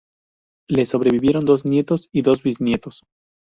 Le sobreviven dos nietos y dos bisnietos.